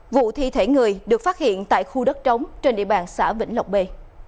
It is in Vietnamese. vụ thi thể người được phát hiện tại khu đất trống trên địa bàn xã vĩnh lộc b